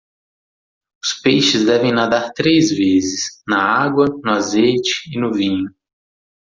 Os peixes devem nadar três vezes: na água, no azeite e no vinho.